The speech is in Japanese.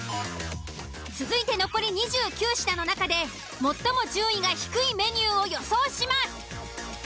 続いて残り２９品の中で最も順位が低いメニューを予想します。